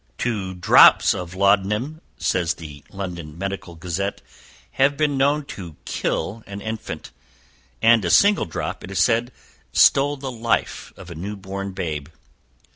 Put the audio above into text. Two drops of laudanum, says the London Medical Gazette, have been known to kill an infant; and a single drop, it is said, stole the life of a new born babe.